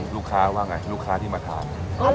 ลูกค้าว่าไงลูกค้าที่มาทาน